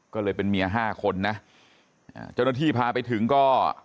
ก็เลยเป็นเมียห้าคนนะเจ้าหน้าที่พาไปถึงก็